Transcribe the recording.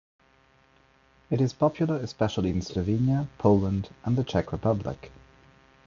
It is popular especially in Slovakia, Poland, and the Czech Republic.